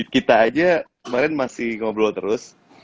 kita aja kemarin masih ngobrol terus